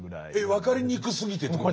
分かりにくすぎてってことですか？